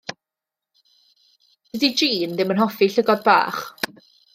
Dydi Jean ddim yn hoffi llygod bach.